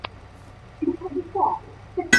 锋区的概念导致了气团概念的产生。